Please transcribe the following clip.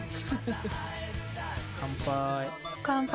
乾杯！